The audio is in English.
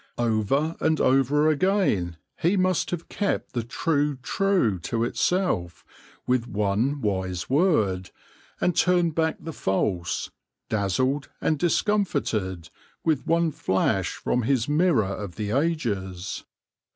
Over and over again he must have kept the true true to itself with one wise word, and turned back the false, dazzled and discomfited, with one flash from his mirror of the ages.